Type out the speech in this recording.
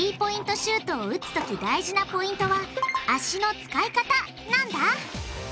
シュートを打つとき大事なポイントは「足の使い方」なんだ！